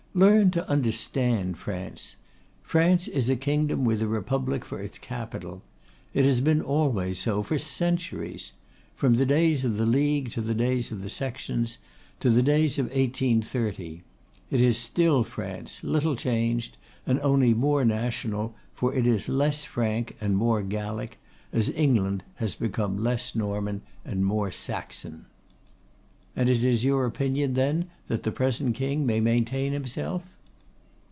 Learn to understand France. France is a kingdom with a Republic for its capital. It has been always so, for centuries. From the days of the League to the days of the Sections, to the days of 1830. It is still France, little changed; and only more national, for it is less Frank and more Gallic; as England has become less Norman and more Saxon.' 'And it is your opinion, then, that the present King may maintain himself?